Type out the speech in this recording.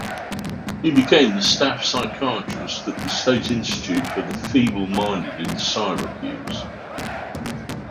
He became the staff psychiatrist at the State Institute for the Feeble-Minded in Syracuse.